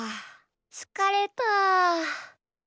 つかれた。